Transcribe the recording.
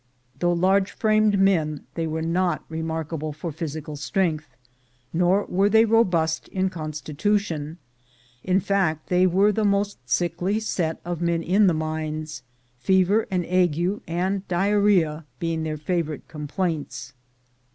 Though large framed men, they were not remark able for physical strength, nor were they robust in constitution; in fact, they were the most sickly set of men in the mines, fever and ague and diarrhoea being their favorite complaints.